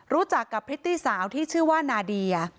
รู้จักกับพริตตี้สาวที่ชื่อว่านาเดีย